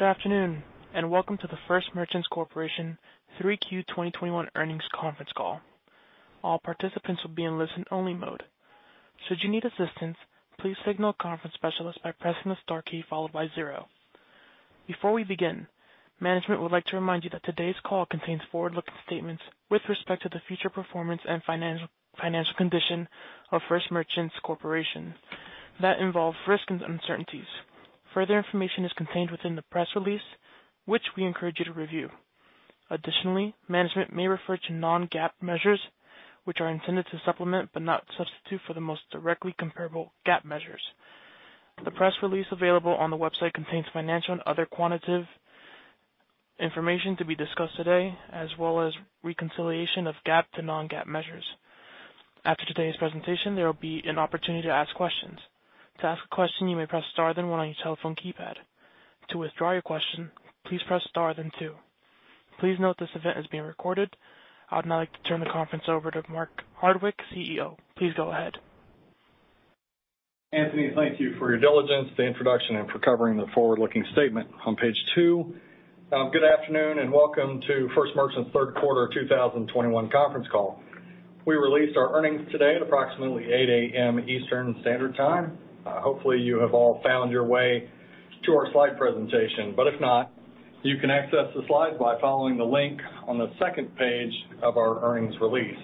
Good afternoon, and welcome to the First Merchants Corporation 3Q 2021 earnings conference call. All participants will be in listen-only mode. Should you need assistance, please signal a conference specialist by pressing the star key followed by zero. Before we begin, management would like to remind you that today's call contains forward-looking statements with respect to the future performance and financial condition of First Merchants Corporation that involve risks and uncertainties. Further information is contained within the press release, which we encourage you to review. Additionally, management may refer to non-GAAP measures, which are intended to supplement but not substitute for the most directly comparable GAAP measures. The press release available on the website contains financial and other quantitative information to be discussed today, as well as reconciliation of GAAP to non-GAAP measures. After today's presentation, there will be an opportunity to ask questions. To ask a question, you may press star then one on your telephone keypad. To withdraw your question, please press star then two. Please note this event is being recorded. I would now like to turn the conference over to Mark Hardwick, CEO. Please go ahead. Anthony, thank you for your diligence, the introduction, and for covering the forward-looking statement on Page 2. Good afternoon, and welcome to First Merchants third quarter 2021 conference call. We released our earnings today at approximately 8 A.M. Eastern Standard Time. Hopefully, you have all found your way to our slide presentation, but if not, you can access the slides by following the link on the second page of our earnings release.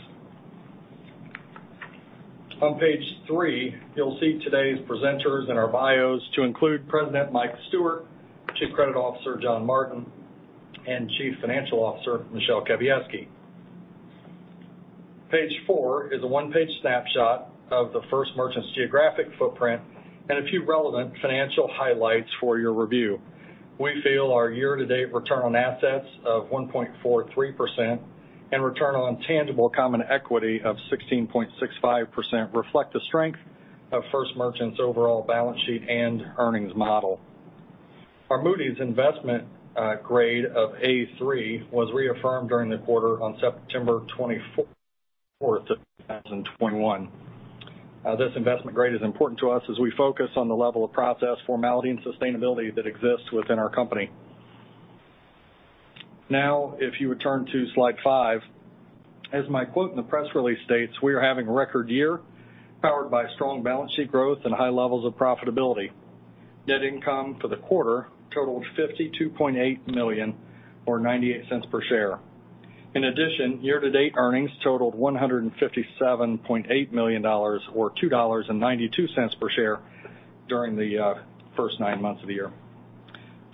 On Page 3, you'll see today's presenters and our bios to include President Mike Stewart, Chief Credit Officer John Martin, and Chief Financial Officer Michele Kawiecki. Page 4 is a one-page snapshot of the First Merchants geographic footprint and a few relevant financial highlights for your review. We feel our year-to-date return on assets of 1.43% and return on tangible common equity of 16.65% reflect the strength of First Merchants' overall balance sheet and earnings model. Our Moody's investment grade of A3 was reaffirmed during the quarter on September 24th, 2021. This investment grade is important to us as we focus on the level of process, formality, and sustainability that exists within our company. Now, if you would turn to Slide 5. As my quote in the press release states, we are having a record year powered by strong balance sheet growth and high levels of profitability. Net income for the quarter totaled $52.8 million or $0.98 per share. In addition, year-to-date earnings totaled $157.8 million or $2.92 per share during the first nine months of the year.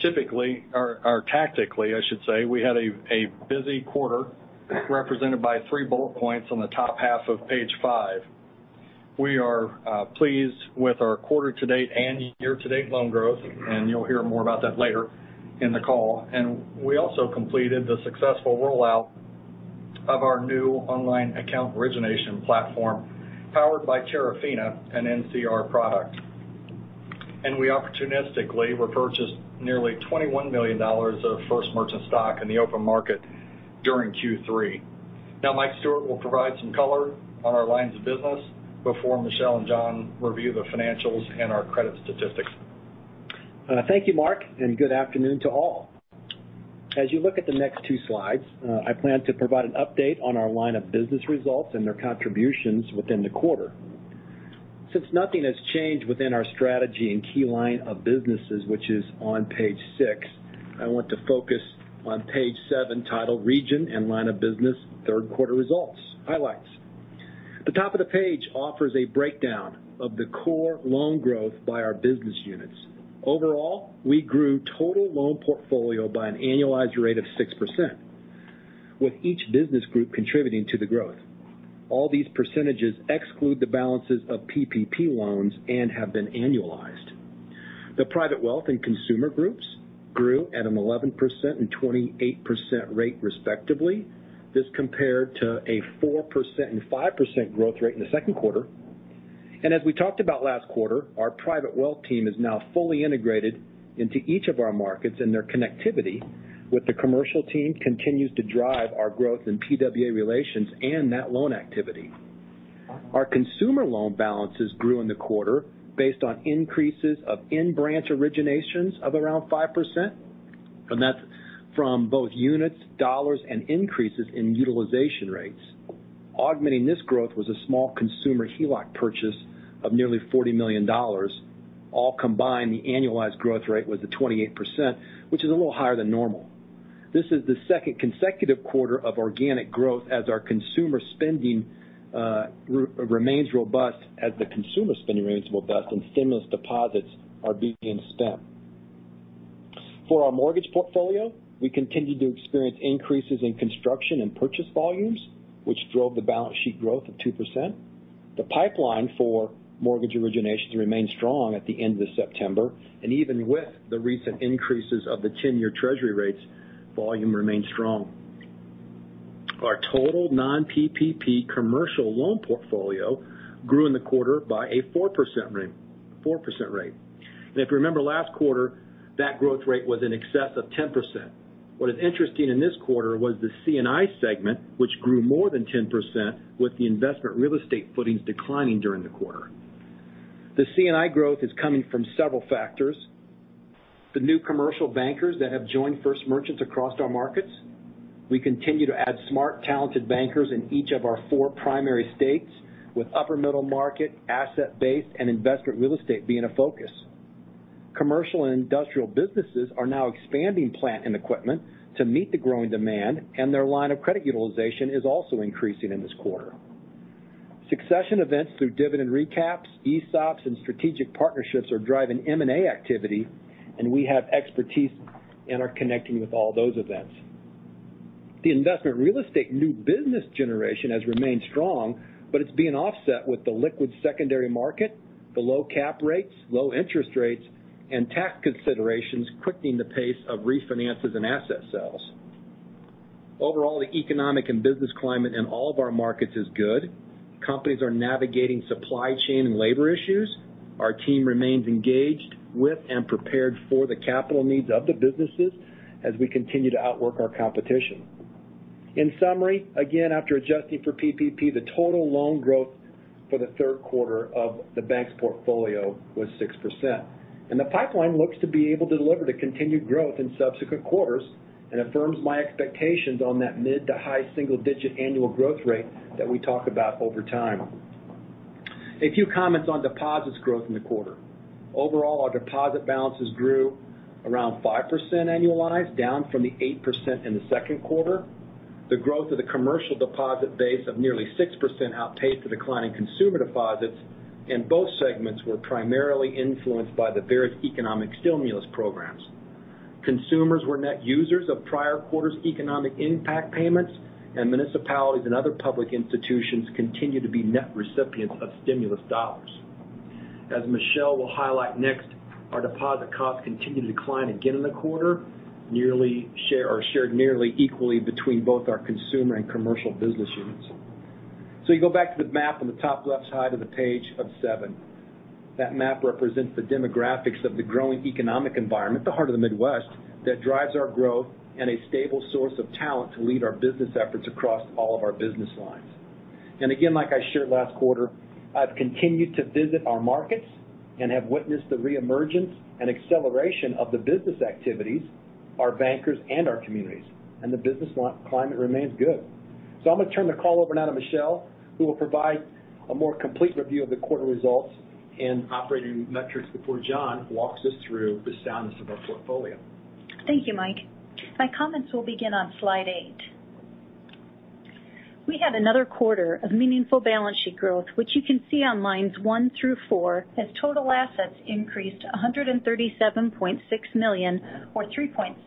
Tactically, I should say, we had a busy quarter represented by three bullet points on the top half of Page 5. We are pleased with our quarter-to-date and year-to-date loan growth, and you'll hear more about that later in the call. We also completed the successful rollout of our new online account origination platform powered by Terafina and NCR product. We opportunistically repurchased nearly $21 million of First Merchants stock in the open market during Q3. Now, Mike Stewart will provide some color on our lines of business before Michele and John review the financials and our credit statistics. Thank you, Mark, and good afternoon to all. As you look at the next two slides, I plan to provide an update on our line of business results and their contributions within the quarter. Since nothing has changed within our strategy and key line of businesses, which is on Page 6, I want to focus on Page 7, titled Region and Line of Business Third Quarter Results Highlights. The top of the page offers a breakdown of the core loan growth by our business units. Overall, we grew total loan portfolio by an annualized rate of 6%, with each business group contributing to the growth. All these percentages exclude the balances of PPP loans and have been annualized. The private wealth and consumer groups grew at an 11% and 28% rate respectively. This compared to a 4% and 5% growth rate in the second quarter. As we talked about last quarter, our private wealth team is now fully integrated into each of our markets, and their connectivity with the commercial team continues to drive our growth in PWA relations and that loan activity. Our consumer loan balances grew in the quarter based on increases of in-branch originations of around 5%, and that's from both units, dollars, and increases in utilization rates. Augmenting this growth was a small consumer HELOC purchase of nearly $40 million. All combined, the annualized growth rate was at 28%, which is a little higher than normal. This is the second consecutive quarter of organic growth as our consumer spending remains robust and stimulus deposits are being spent. For our mortgage portfolio, we continued to experience increases in construction and purchase volumes, which drove the balance sheet growth of 2%. The pipeline for mortgage originations remained strong at the end of September, and even with the recent increases of the 10-year Treasury rates, volume remained strong. Our total non-PPP commercial loan portfolio grew in the quarter by a 4% rate. If you remember last quarter, that growth rate was in excess of 10%. What is interesting in this quarter was the C&I segment, which grew more than 10% with the investment real estate footings declining during the quarter. The C&I growth is coming from several factors. The new commercial bankers that have joined First Merchants across our markets. We continue to add smart, talented bankers in each of our four primary states, with upper middle market, asset-based, and investment real estate being a focus. Commercial and industrial businesses are now expanding plant and equipment to meet the growing demand, and their line of credit utilization is also increasing in this quarter. Succession events through dividend recaps, ESOPs, and strategic partnerships are driving M&A activity, and we have expertise and are connecting with all those events. The investment real estate new business generation has remained strong, but it's being offset with the liquid secondary market, the low cap rates, low interest rates, and tax considerations quickening the pace of refinances and asset sales. Overall, the economic and business climate in all of our markets is good. Companies are navigating supply chain and labor issues. Our team remains engaged with and prepared for the capital needs of the businesses as we continue to outwork our competition. In summary, again, after adjusting for PPP, the total loan growth for the third quarter of the bank's portfolio was 6%. The pipeline looks to be able to deliver the continued growth in subsequent quarters and affirms my expectations on that mid to high single-digit annual growth rate that we talk about over time. A few comments on deposits growth in the quarter. Overall, our deposit balances grew around 5% annualized, down from the 8% in the second quarter. The growth of the commercial deposit base of nearly 6% outpaced the decline in consumer deposits, and both segments were primarily influenced by the various economic stimulus programs. Consumers were net users of prior quarters economic impact payments, and municipalities and other public institutions continue to be net recipients of stimulus dollars. As Michele will highlight next, our deposit costs continue to decline again in the quarter, shared nearly equally between both our consumer and commercial business units. You go back to the map on the top left side of Page 7. That map represents the demographics of the growing economic environment, the heart of the Midwest, that drives our growth and a stable source of talent to lead our business efforts across all of our business lines. Again, like I shared last quarter, I've continued to visit our markets and have witnessed the reemergence and acceleration of the business activities, our bankers, and our communities, and the business climate remains good. I'm gonna turn the call over now to Michele, who will provide a more complete review of the quarter results and operating metrics before John walks us through the soundness of our portfolio. Thank you, Mike. My comments will begin on Slide 8. We had another quarter of meaningful balance sheet growth, which you can see on Lines 1 through 4 as total assets increased $137.6 million or 3.7%.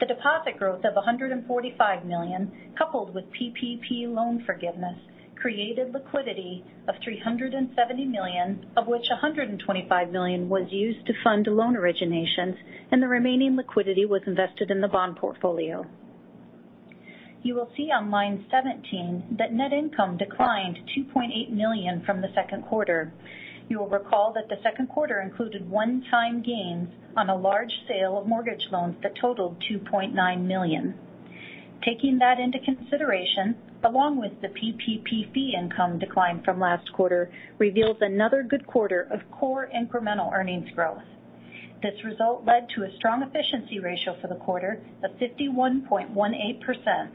The deposit growth of $145 million, coupled with PPP loan forgiveness, created liquidity of $370 million, of which $125 million was used to fund loan originations, and the remaining liquidity was invested in the bond portfolio. You will see on Line 17 that net income declined $2.8 million from the second quarter. You will recall that the second quarter included one-time gains on a large sale of mortgage loans that totaled $2.9 million. Taking that into consideration, along with the PPP fee income decline from last quarter, reveals another good quarter of core incremental earnings growth. This result led to a strong efficiency ratio for the quarter of 51.18%.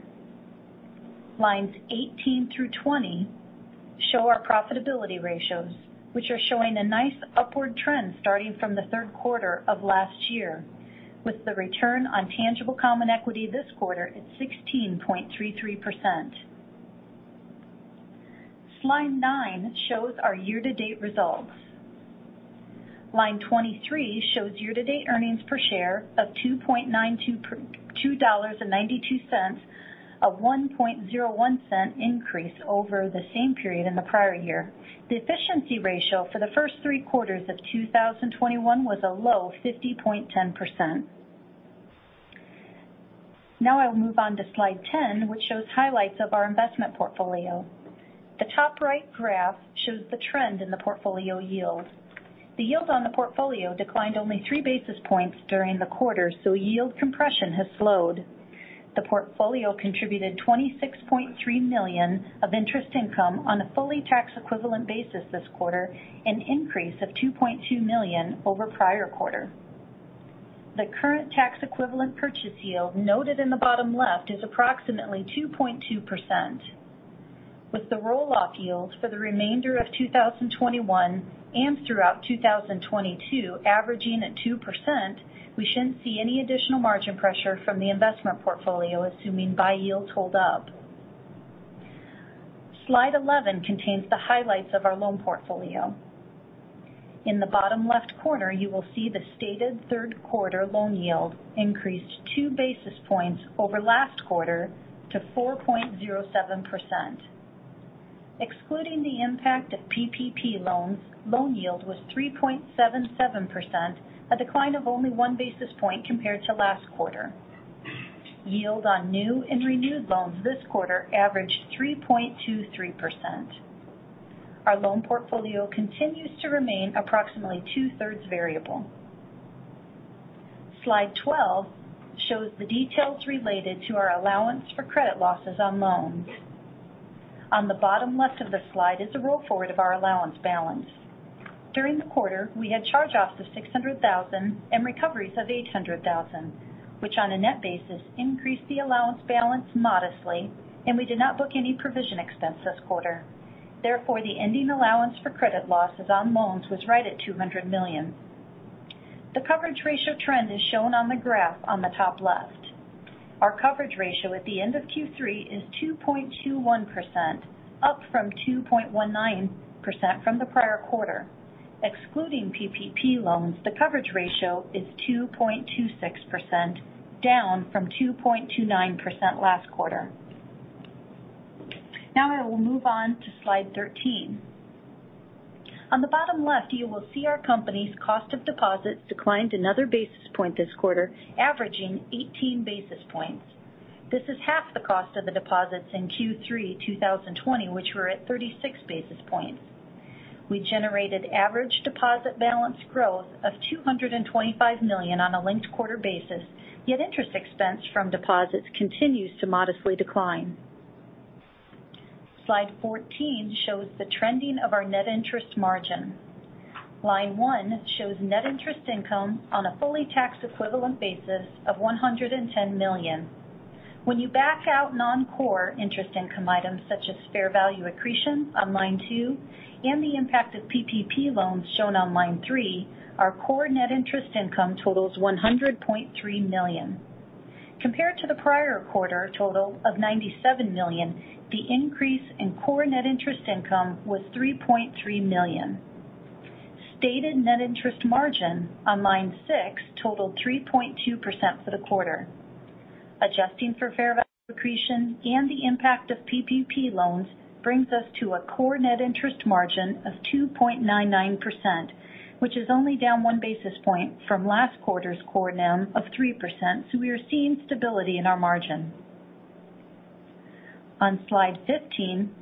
Lines 18 through 20 show our profitability ratios, which are showing a nice upward trend starting from the third quarter of last year, with the return on tangible common equity this quarter at 16.33%. Slide 9 shows our year-to-date results. Line 23 shows year-to-date earnings per share of $2.92, a $1.01 increase over the same period in the prior year. The efficiency ratio for the first three quarters of 2021 was a low 50.10%. Now I'll move on to Slide 10, which shows highlights of our investment portfolio. The top right graph shows the trend in the portfolio yield. The yield on the portfolio declined only 3 basis points during the quarter, so yield compression has slowed. The portfolio contributed $26.3 million of interest income on a fully tax equivalent basis this quarter, an increase of $2.2 million over prior quarter. The current tax equivalent purchase yield noted in the bottom left is approximately 2.2%. With the roll-off yields for the remainder of 2021 and throughout 2022 averaging at 2%, we shouldn't see any additional margin pressure from the investment portfolio assuming buy yields hold up. Slide 11 contains the highlights of our loan portfolio. In the bottom left corner, you will see the stated third quarter loan yield increased 2 basis points over last quarter to 4.07%. Excluding the impact of PPP loans, loan yield was 3.77%, a decline of only one basis point compared to last quarter. Yield on new and renewed loans this quarter averaged 3.23%. Our loan portfolio continues to remain approximately two-thirds variable. Slide 12 shows the details related to our allowance for credit losses on loans. On the bottom left of the slide is a roll forward of our allowance balance. During the quarter, we had charge-offs of $600,000 and recoveries of $800,000, which on a net basis increased the allowance balance modestly, and we did not book any provision expense this quarter. Therefore, the ending allowance for credit losses on loans was right at $200 million. The coverage ratio trend is shown on the graph on the top left. Our coverage ratio at the end of Q3 is 2.21%, up from 2.19% from the prior quarter. Excluding PPP loans, the coverage ratio is 2.26%, down from 2.29% last quarter. Now I will move on to Slide 13. On the bottom left, you will see our company's cost of deposits declined another basis point this quarter, averaging 18 basis points. This is half the cost of the deposits in Q3 2020, which were at 36 basis points. We generated average deposit balance growth of $225 million on a linked quarter basis, yet interest expense from deposits continues to modestly decline. Slide 14 shows the trending of our net interest margin. Line one shows net interest income on a fully tax equivalent basis of $110 million. When you back out non-core interest income items such as fair value accretion on line two and the impact of PPP loans shown on line three, our core net interest income totals $100.3 million. Compared to the prior quarter total of $97 million, the increase in core net interest income was $3.3 million. Stated net interest margin on line six totaled 3.2% for the quarter. Adjusting for fair value accretion and the impact of PPP loans brings us to a core net interest margin of 2.99%, which is only down 1 basis point from last quarter's core NIM of 3%. We are seeing stability in our margin. On Slide 15,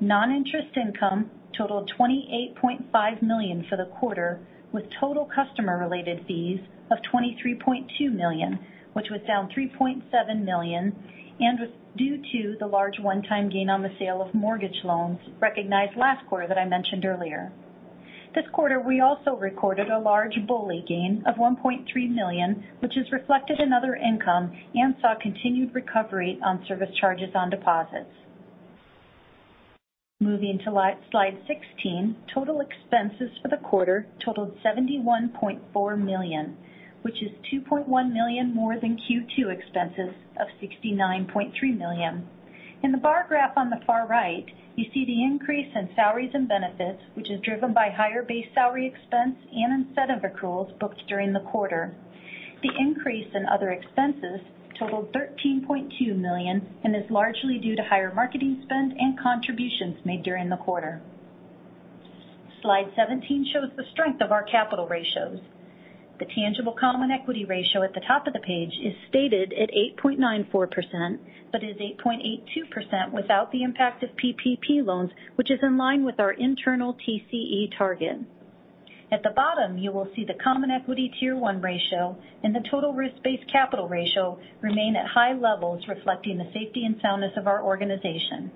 non-interest income totaled $28.5 million for the quarter, with total customer related fees of $23.2 million, which was down $3.7 million and was due to the large one-time gain on the sale of mortgage loans recognized last quarter that I mentioned earlier. This quarter, we also recorded a large BOLI gain of $1.3 million, which is reflected in other income and saw continued recovery on service charges on deposits. Moving to Slide 16, total expenses for the quarter totaled $71.4 million, which is $2.1 million more than Q2 expenses of $69.3 million. In the bar graph on the far right, you see the increase in salaries and benefits, which is driven by higher base salary expense and incentive accruals booked during the quarter. The increase in other expenses totaled $13.2 million, and is largely due to higher marketing spend and contributions made during the quarter. Slide 17 shows the strength of our capital ratios. The tangible common equity ratio at the top of the page is stated at 8.94%, but is 8.82% without the impact of PPP loans, which is in line with our internal TCE target. At the bottom, you will see the common equity tier one ratio and the total risk-based capital ratio remain at high levels, reflecting the safety and soundness of our organization.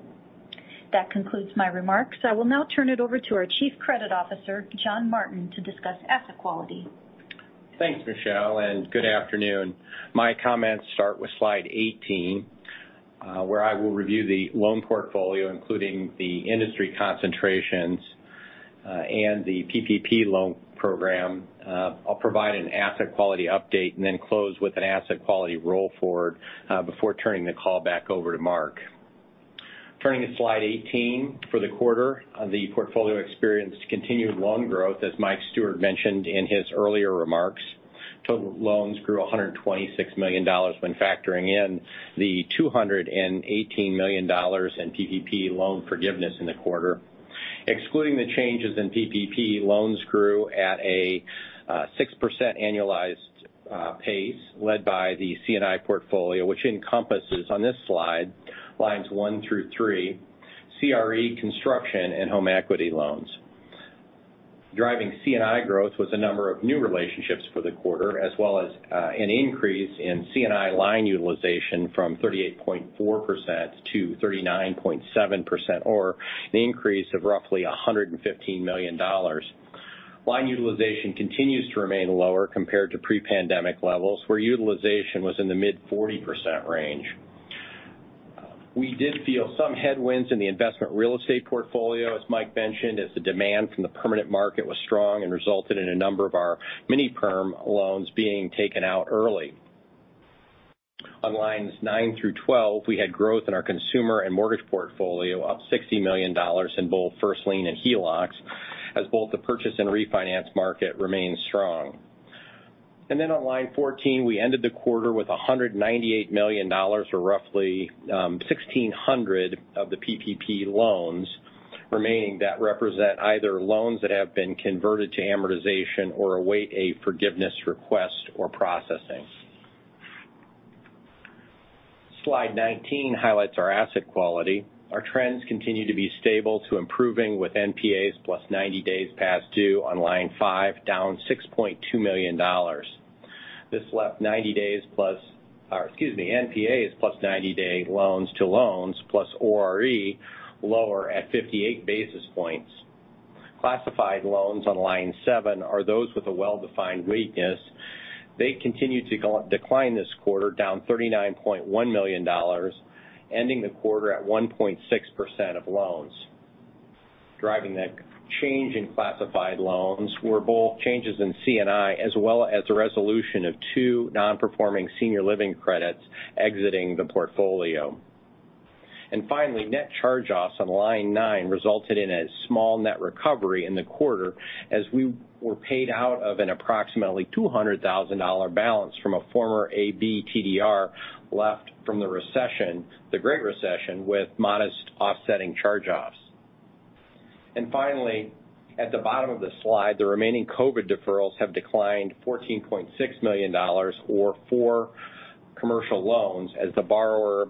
That concludes my remarks. I will now turn it over to our Chief Credit Officer, John Martin, to discuss asset quality. Thanks, Michele, and good afternoon. My comments start with Slide 18, where I will review the loan portfolio, including the industry concentrations, and the PPP loan program. I'll provide an asset quality update and then close with an asset quality roll forward, before turning the call back over to Mark. Turning to Slide 18, for the quarter, the portfolio experienced continued loan growth, as Mike Stewart mentioned in his earlier remarks. Total loans grew $126 million when factoring in the $218 million in PPP loan forgiveness in the quarter. Excluding the changes in PPP, loans grew at a 6% annualized pace led by the C&I portfolio, which encompasses on this slide Lines 1 through 3, CRE construction and home equity loans. Driving C&I growth was a number of new relationships for the quarter, as well as an increase in C&I line utilization from 38.4%-39.7%, or an increase of roughly $115 million. Line utilization continues to remain lower compared to pre-pandemic levels, where utilization was in the mid-40% range. We did feel some headwinds in the investment real estate portfolio, as Mike mentioned, as the demand from the permanent market was strong and resulted in a number of our mini-perm loans being taken out early. On Lines 9 through 12, we had growth in our consumer and mortgage portfolio, up $60 million in both first lien and HELOCs, as both the purchase and refinance market remain strong. On Line 14, we ended the quarter with $198 million or roughly 1,600 of the PPP loans remaining that represent either loans that have been converted to amortization or await a forgiveness request or processing. Slide 19 highlights our asset quality. Our trends continue to be stable to improving with NPAs plus 90 days past due on Line 5, down $6.2 million. This left NPAs +90-day loans to loans plus ORE lower at 58 basis points. Classified loans on Line 7 are those with a well-defined weakness. They continued to decline this quarter, down $39.1 million, ending the quarter at 1.6% of loans. Driving that change in classified loans were both changes in C&I as well as the resolution of two non-performing senior living credits exiting the portfolio. Finally, net charge-offs on Line 9 resulted in a small net recovery in the quarter as we were paid out of an approximately $200,000 balance from a former ABL TDR left from the recession, the Great Recession, with modest offsetting charge-offs. Finally, at the bottom of the slide, the remaining COVID deferrals have declined $14.6 million or four commercial loans as the borrower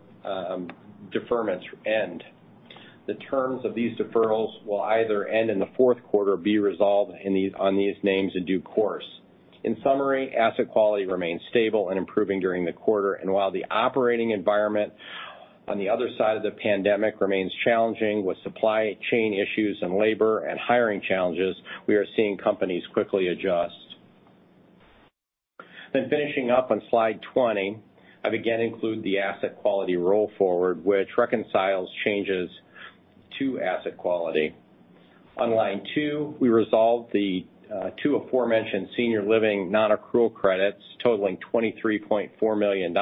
deferments end. The terms of these deferrals will either end in the fourth quarter or be resolved on these names in due course. In summary, asset quality remained stable and improving during the quarter. While the operating environment on the other side of the pandemic remains challenging with supply chain issues and labor and hiring challenges, we are seeing companies quickly adjust. Finishing up on Slide 20, I again include the asset quality roll forward, which reconciles changes to asset quality. On Line 2, we resolved the two aforementioned senior living non-accrual credits totaling $23.4 million,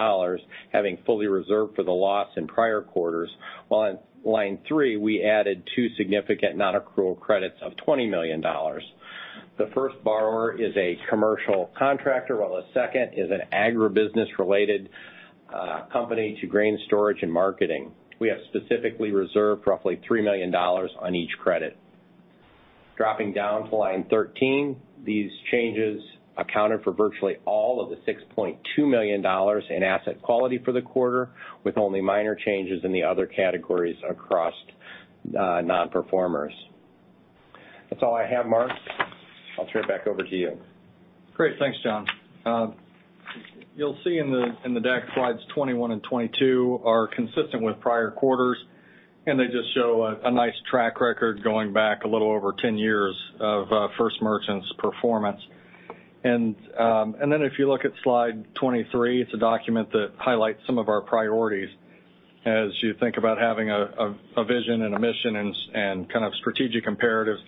having fully reserved for the loss in prior quarters. While on Line 3, we added two significant non-accrual credits of $20 million. The first borrower is a commercial contractor, while the second is an agribusiness-related company to grain storage and marketing. We have specifically reserved roughly $3 million on each credit. Dropping down to Line 13, these changes accounted for virtually all of the $6.2 million in asset quality for the quarter, with only minor changes in the other categories across nonperformers. That's all I have, Mark. I'll turn it back over to you. Great. Thanks, John. You'll see in the deck, Slides 21 and 22 are consistent with prior quarters, and they just show a nice track record going back a little over 10 years of First Merchants' performance. Then if you look at Slide 23, it's a document that highlights some of our priorities. As you think about having a vision and a mission and kind of strategic imperatives,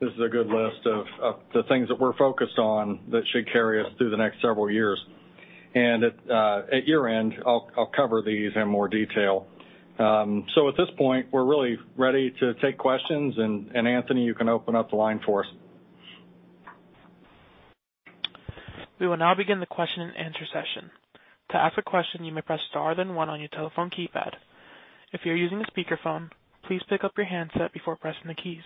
this is a good list of the things that we're focused on that should carry us through the next several years. At your end, I'll cover these in more detail. At this point, we're really ready to take questions. Anthony, you can open up the line for us. We will now begin the question and answer session. To ask a question, you may press star then one on your telephone keypad. If you're using a speakerphone, please pick up your handset before pressing the keys.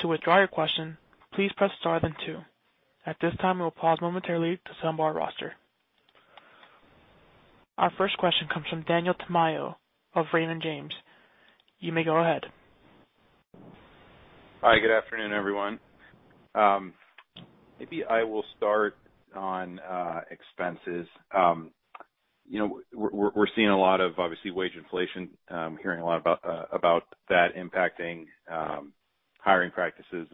To withdraw your question, please press star then two. At this time, we will pause momentarily to assemble our roster. Our first question comes from Daniel Tamayo of Raymond James. You may go ahead. Hi. Good afternoon, everyone. Maybe I will start on expenses. You know, we're seeing a lot of, obviously, wage inflation, hearing a lot about that impacting hiring practices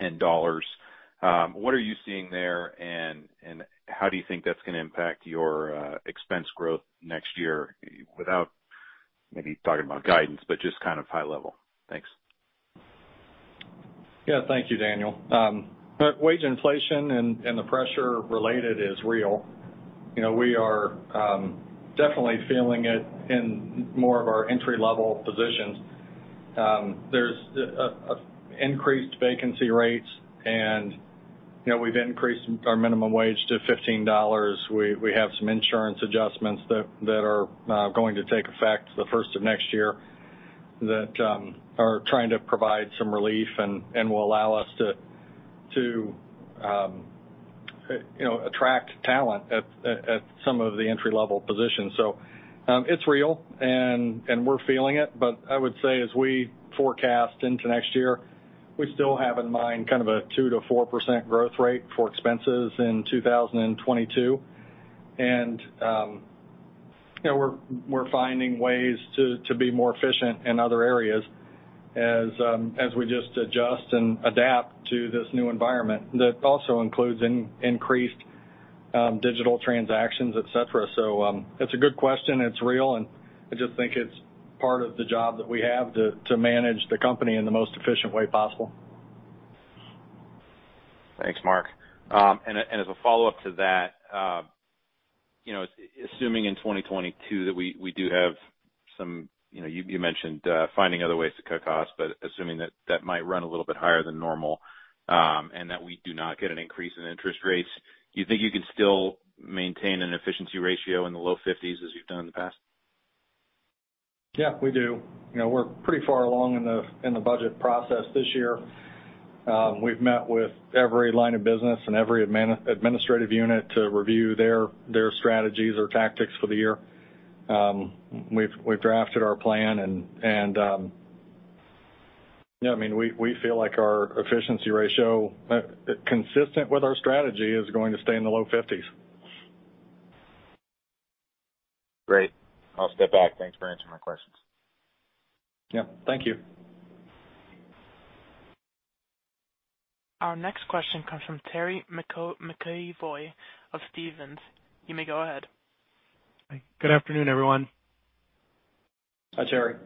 and dollars. What are you seeing there, and how do you think that's gonna impact your expense growth next year without maybe talking about guidance but just kind of high level? Thanks. Yeah. Thank you, Daniel. Wage inflation and the pressure related is real. You know, we are definitely feeling it in more of our entry-level positions. There's an increased vacancy rates and, you know, we've increased our minimum wage to $15. We have some insurance adjustments that are going to take effect the first of next year that are trying to provide some relief and will allow us to you know, attract talent at some of the entry-level positions. It's real and we're feeling it. I would say as we forecast into next year, we still have in mind kind of a 2%-4% growth rate for expenses in 2022. You know, we're finding ways to be more efficient in other areas as we just adjust and adapt to this new environment that also includes increased digital transactions, et cetera. It's a good question. It's real, and I just think it's part of the job that we have to manage the company in the most efficient way possible. Thanks, Mark. As a follow-up to that, assuming in 2022 that we do have some, you mentioned finding other ways to cut costs, but assuming that might run a little bit higher than normal, and that we do not get an increase in interest rates, do you think you can still maintain an efficiency ratio in the low 50s as you've done in the past? Yeah, we do. You know, we're pretty far along in the budget process this year. We've met with every line of business and every administrative unit to review their strategies or tactics for the year. We've drafted our plan and I mean, we feel like our efficiency ratio, consistent with our strategy, is going to stay in the low 50s. Great. I'll step back. Thanks for answering my questions. Yep, thank you. Our next question comes from Terry McEvoy of Stephens. You may go ahead. Good afternoon, everyone. Hi, Terry.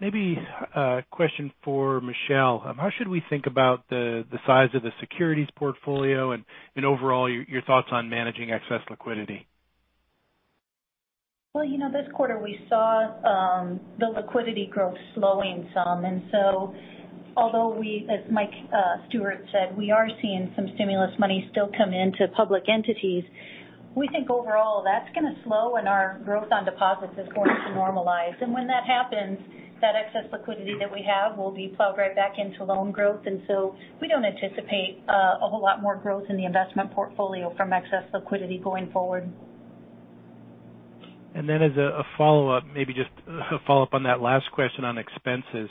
Maybe a question for Michele. How should we think about the size of the securities portfolio and overall, your thoughts on managing excess liquidity? Well, you know, this quarter we saw the liquidity growth slowing some. Although we, as Mike Stewart said, we are seeing some stimulus money still come into public entities. We think overall that's gonna slow and our growth on deposits is going to normalize. When that happens, that excess liquidity that we have will be plowed right back into loan growth. We don't anticipate a whole lot more growth in the investment portfolio from excess liquidity going forward. As a follow-up, maybe just a follow-up on that last question on expenses.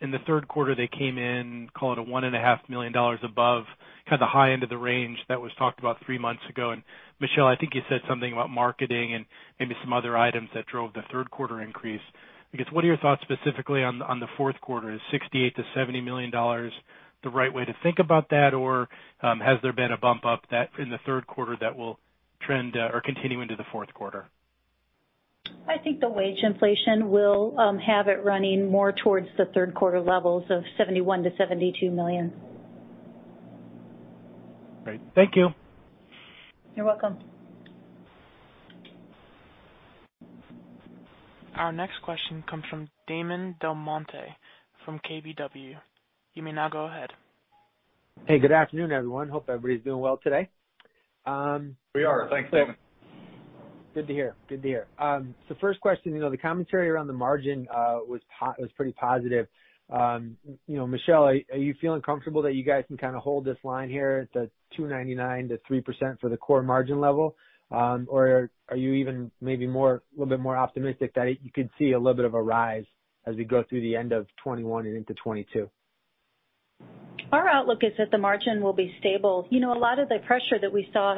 In the third quarter, they came in, call it $1.5 million above, kind of the high end of the range that was talked about three months ago. Michele, I think you said something about marketing and maybe some other items that drove the third quarter increase. I guess what are your thoughts specifically on the fourth quarter? Is $68 million-$70 million the right way to think about that or has there been a bump up in the third quarter that will trend or continue into the fourth quarter? I think the wage inflation will have it running more towards the third quarter levels of $71 million-$72 million. Great. Thank you. You're welcome. Our next question comes from Damon DelMonte from KBW. You may now go ahead. Hey, good afternoon, everyone. Hope everybody's doing well today. We are. Thanks, Damon. Good to hear. First question, you know, the commentary around the margin was pretty positive. You know, Michele, are you feeling comfortable that you guys can kind of hold this line here at the 2.99%-3% for the core margin level or are you even maybe more, a little bit more optimistic that you could see a little bit of a rise as we go through the end of 2021 and into 2022? Our outlook is that the margin will be stable. You know, a lot of the pressure that we saw,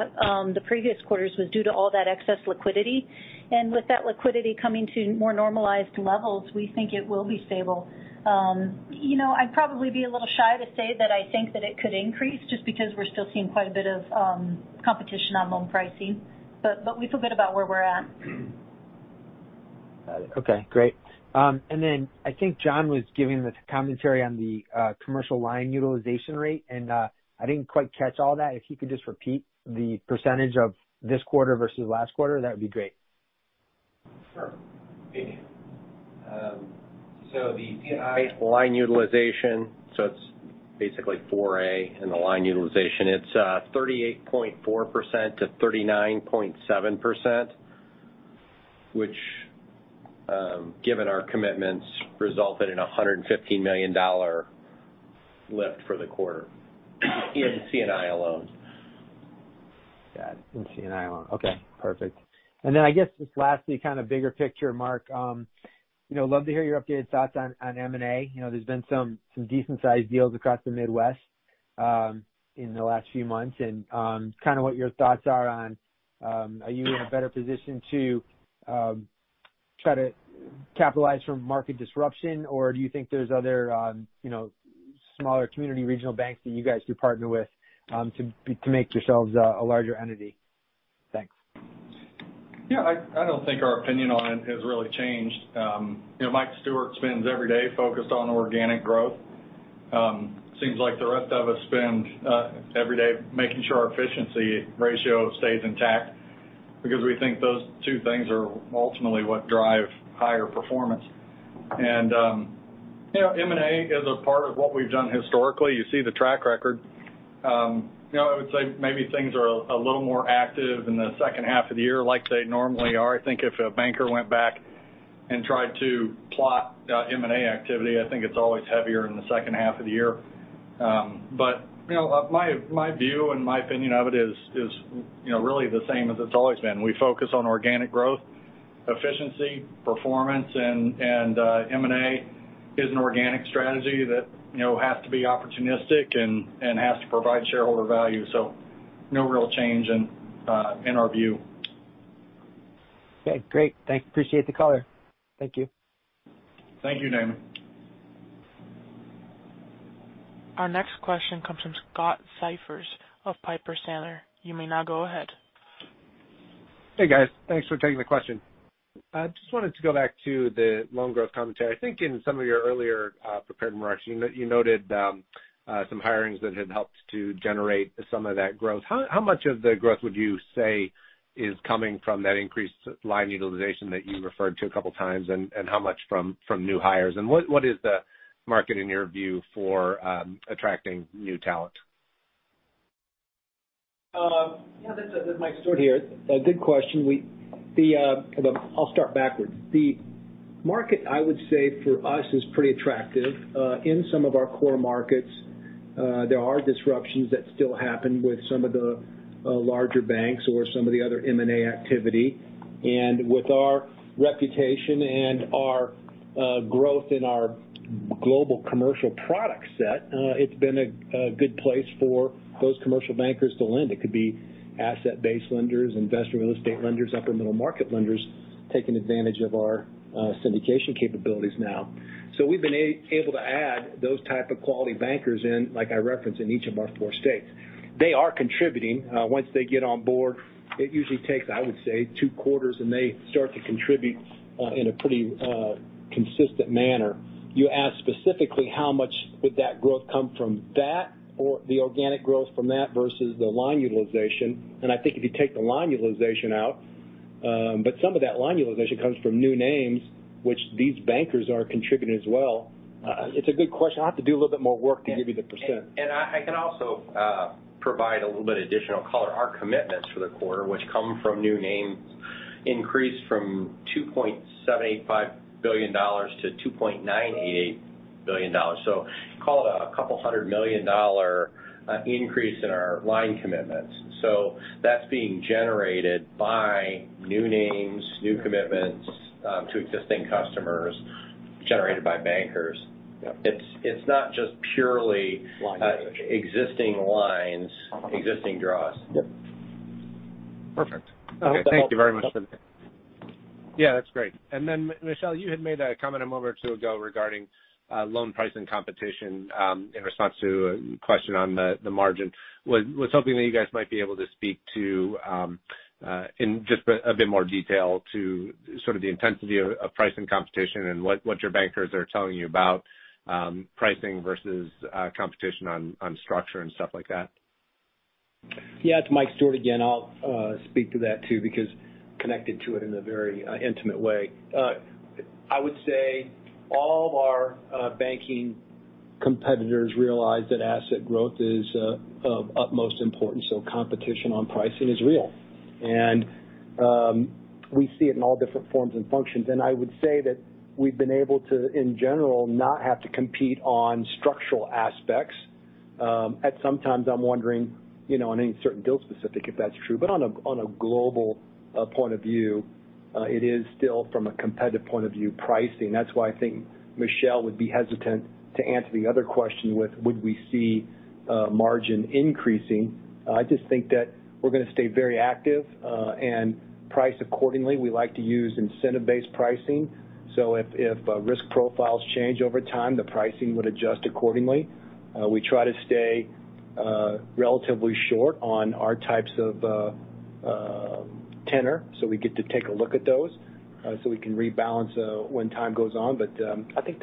the previous quarters was due to all that excess liquidity. With that liquidity coming to more normalized levels, we think it will be stable. You know, I'd probably be a little shy to say that I think that it could increase just because we're still seeing quite a bit of, competition on loan pricing, but we feel good about where we're at. Got it. Okay, great. I think John was giving the commentary on the commercial line utilization rate. I didn't quite catch all that. If he could just repeat the percentage of this quarter versus last quarter, that would be great. Sure. Thank you. The C&I line utilization is basically 40%. [inaudible] It's 38.4%-39.7%, which, given our commitments, resulted in a $115 million lift for the quarter in C&I alone. Got it. In C&I alone. Okay, perfect. Then I guess, just lastly, kind of bigger picture, Mark, you know, love to hear your updated thoughts on M&A. You know, there's been some decent-sized deals across the Midwest in the last few months. Kind of what your thoughts are on, are you in a better position to try to capitalize on market disruption or do you think there's other, you know, smaller community regional banks that you guys could partner with to make yourselves a larger entity? Thanks. Yeah, I don't think our opinion on it has really changed. You know, Mike Stewart spends every day focused on organic growth. Seems like the rest of us spend every day making sure our efficiency ratio stays intact because we think those two things are ultimately what drive higher performance. You know, M&A is a part of what we've done historically. You see the track record. You know, I would say maybe things are a little more active in the second half of the year like they normally are. I think if a banker went back and tried to plot M&A activity, I think it's always heavier in the second half of the year. You know, my view and my opinion of it is really the same as it's always been. We focus on organic growth, efficiency, performance, and M&A is an organic strategy that, you know, has to be opportunistic and has to provide shareholder value. So no real change in our view. Okay, great. Appreciate the color. Thank you. Thank you, Damon. Our next question comes from Scott Siefers of Piper Sandler. You may now go ahead. Hey, guys. Thanks for taking the question. I just wanted to go back to the loan growth commentary. I think in some of your earlier prepared remarks, you noted some hirings that had helped to generate some of that growth. How much of the growth would you say is coming from that increased line utilization that you referred to a couple times, and how much from new hires? What is the market, in your view, for attracting new talent? This is Mike Stewart here. A good question. I'll start backwards. The market, I would say, for us is pretty attractive. In some of our core markets, there are disruptions that still happen with some of the larger banks or some of the other M&A activity. With our reputation and our growth in our global commercial product set, it's been a good place for those commercial bankers to lend. It could be asset-based lenders, investor real estate lenders, upper middle market lenders taking advantage of our syndication capabilities now. We've been able to add those type of quality bankers in, like I referenced, in each of our four states. They are contributing. Once they get on board, it usually takes, I would say, two quarters, and they start to contribute in a pretty consistent manner. You asked specifically how much would that growth come from that or the organic growth from that versus the line utilization. I think if you take the line utilization out, but some of that line utilization comes from new names, which these bankers are contributing as well. It's a good question. I'll have to do a little bit more work to give you the percent. I can also provide a little bit of additional color. Our commitments for the quarter, which come from new names, increased from $2.785 billion-$2.98 billion. Call it a couple hundred million dollar increase in our line commitments. That's being generated by new names, new commitments to existing customers generated by bankers. Yep. It's not just purely... Line usage ...existing lines, existing draws. Yep. Perfect. Okay. Thank you very much Siefers. Yeah, that's great. Michele, you had made a comment a moment or two ago regarding loan pricing competition in response to a question on the margin. I was hoping that you guys might be able to speak to in just a bit more detail to sort of the intensity of pricing competition and what your bankers are telling you about pricing versus competition on structure and stuff like that. Yeah, it's Mike Stewart again. I'll speak to that too because connected to it in a very intimate way. I would say all of our banking competitors realize that asset growth is of utmost importance, so competition on pricing is real. We see it in all different forms and functions. I would say that we've been able to, in general, not have to compete on structural aspects. At some times I'm wondering, you know, on any certain deal specific if that's true. On a global point of view it is still from a competitive point of view pricing. That's why I think Michele would be hesitant to answer the other question with would we see margin increasing. I just think that we're gonna stay very active and price accordingly. We like to use incentive-based pricing. If risk profiles change over time, the pricing would adjust accordingly. We try to stay relatively short on our types of tenor, so we can rebalance when time goes on. I think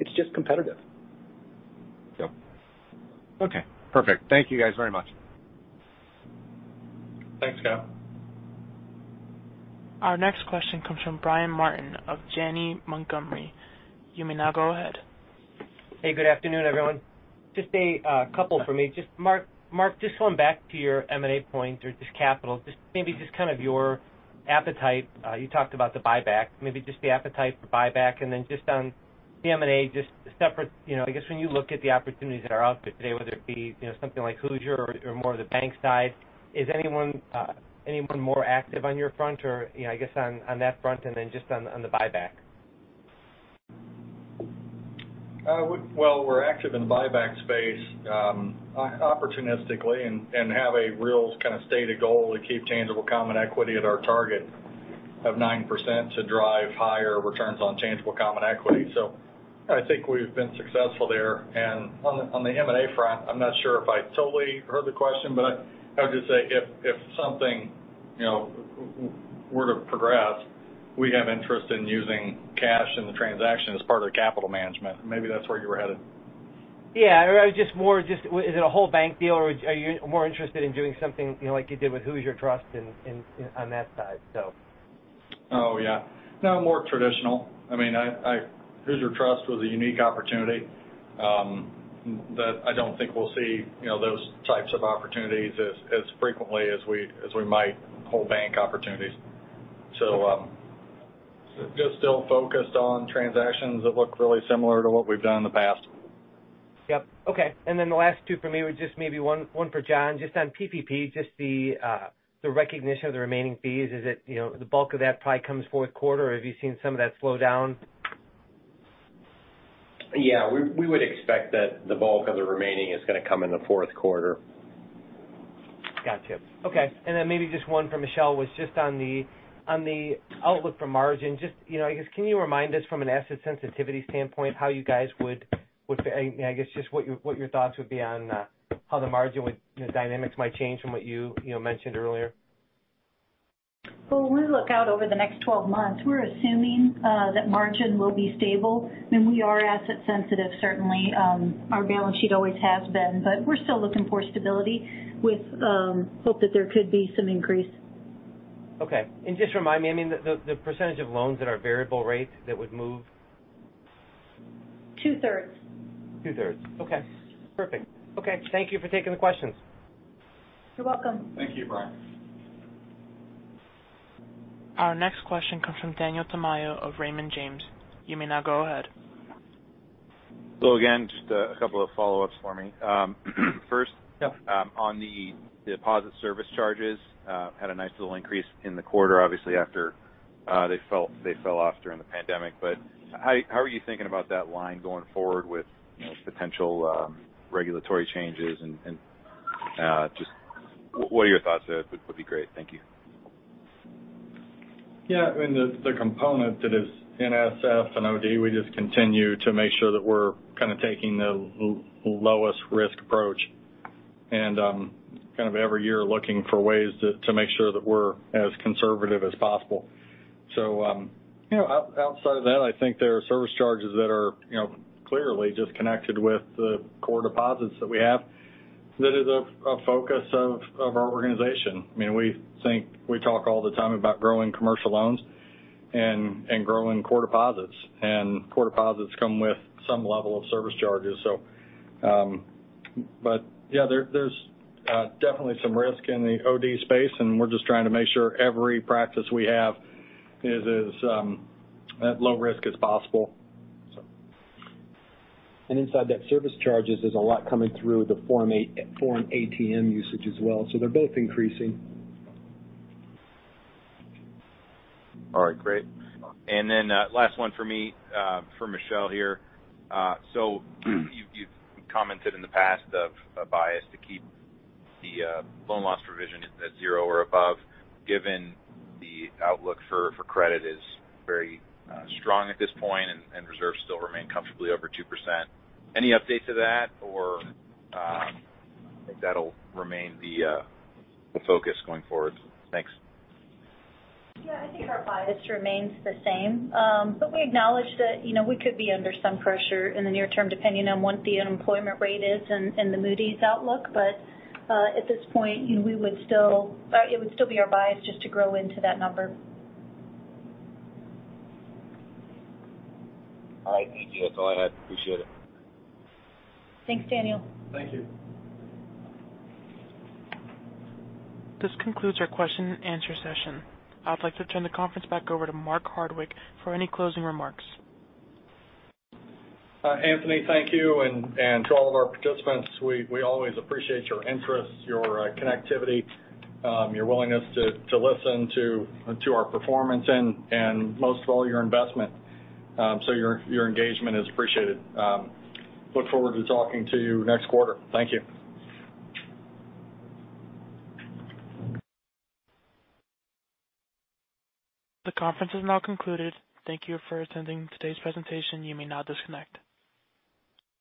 it's just competitive. Yep. Okay, perfect. Thank you guys very much. Thanks, Scott. Our next question comes from Brian Martin of Janney Montgomery Scott. You may now go ahead. Hey, good afternoon, everyone. Just a couple for me. Just Mark, going back to your M&A point or just capital, just maybe just kind of your appetite. You talked about the buyback, maybe just the appetite for buyback. Just on the M&A, just separate, you know, I guess when you look at the opportunities that are out there today, whether it be, you know, something like Hoosier or more of the bank side, is anyone more active on your front or, you know, I guess on that front and then just on the buyback. We're active in the buyback space, opportunistically and have a real kind of stated goal to keep tangible common equity at our target of 9% to drive higher returns on tangible common equity. I think we've been successful there. On the M&A front, I'm not sure if I totally heard the question, but I would just say if something, you know, were to progress, we have interest in using cash in the transaction as part of capital management. Maybe that's where you were headed. Yeah. Is it a whole bank deal, or are you more interested in doing something, you know, like you did with Hoosier Trust in on that side? Oh, yeah. No, more traditional. I mean, Hoosier Trust was a unique opportunity that I don't think we'll see, you know, those types of opportunities as frequently as we might whole bank opportunities. Just still focused on transactions that look really similar to what we've done in the past. Yep. Okay. Then the last two for me were just maybe one for John, just on PPP, just the recognition of the remaining fees. Is it, you know, the bulk of that probably comes fourth quarter, or have you seen some of that slow down? Yeah. We would expect that the bulk of the remaining is gonna come in the fourth quarter. Gotcha. Okay. Maybe just one for Michele, just on the outlook for margin. Just, you know, I guess can you remind us from an asset sensitivity standpoint I guess just what your thoughts would be on how the margin would, you know, dynamics might change from what you know, mentioned earlier? Well, when we look out over the next 12 months, we're assuming that margin will be stable, and we are asset sensitive, certainly. Our balance sheet always has been. But we're still looking for stability with hope that there could be some increase. Okay. Just remind me, I mean, the percentage of loans that are variable rates that would move 2/3. 2/3. Okay, perfect. Okay, thank you for taking the questions. You're welcome. Thank you, Brian. Our next question comes from Daniel Tamayo of Raymond James. You may now go ahead. Again, just a couple of follow-ups for me. Yeah. First, on the deposit service charges, we had a nice little increase in the quarter, obviously after they fell off during the pandemic. How are you thinking about that line going forward with, you know, potential regulatory changes and just what are your thoughts there? That would be great. Thank you. Yeah. I mean, the component that is NSF and OD, we just continue to make sure that we're kind of taking the lowest risk approach. Kind of every year looking for ways to make sure that we're as conservative as possible. You know, outside of that, I think there are service charges that are, you know, clearly just connected with the core deposits that we have. That is a focus of our organization. I mean, we think we talk all the time about growing commercial loans and growing core deposits. Core deposits come with some level of service charges. Yeah, there's definitely some risk in the OD space, and we're just trying to make sure every practice we have is as low risk as possible. Inside that service charges, there's a lot coming through from ATM usage as well. They're both increasing. All right, great. Last one for me for Michele here. You've commented in the past of a bias to keep the loan loss provision at zero or above, given the outlook for credit is very strong at this point and reserves still remain comfortably over 2%. Any update to that or if that'll remain the focus going forward? Thanks. Yeah. I think our bias remains the same. We acknowledge that, you know, we could be under some pressure in the near term, depending on what the unemployment rate is and the Moody's outlook. At this point, we would still or it would still be our bias just to grow into that number. All right. Thank you. That's all I had. Appreciate it. Thanks, Daniel. Thank you. This concludes our question and answer session. I'd like to turn the conference back over to Mark Hardwick for any closing remarks. Anthony, thank you. To all of our participants, we always appreciate your interest, your connectivity, your willingness to listen to our performance and most of all, your investment. Your engagement is appreciated. We look forward to talking to you next quarter. Thank you. The conference is now concluded. Thank you for attending today's presentation. You may now disconnect.